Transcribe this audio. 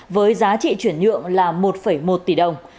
với giá trị chuyển nhượng là một một tỷ đồng